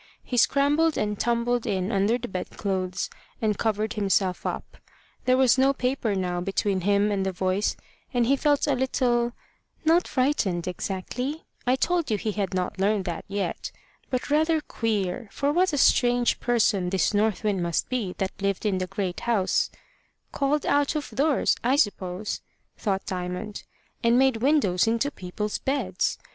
He scrambled and tumbled in under the bedclothes, and covered himself up: there was no paper now between him and the voice, and he felt a little not frightened exactly I told you he had not learned that yet but rather queer; for what a strange person this North Wind must be that lived in the great house "called Out of Doors, I suppose," thought Diamond and made windows into people's beds!